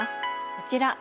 こちら。